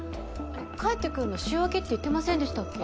帰ってくるの週明けって言ってませんでしたっけ？